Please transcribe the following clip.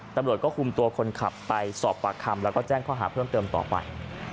ตำรวจก็คุมตัวคนขับไปสอบปากคำแล้วก็แจ้งข้อหาเพิ่มเติมต่อไป